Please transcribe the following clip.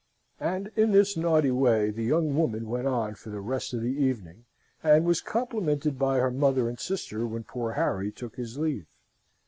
And in this naughty way the young woman went on for the rest of the evening, and was complimented by her mother and sister when poor Harry took his leave.